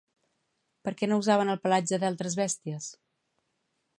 Per què no usaven el pelatge d'altres bèsties?